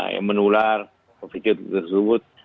yang menular covid sembilan belas tersebut